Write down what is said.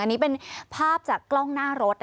อันนี้เป็นภาพจากกล้องหน้ารถ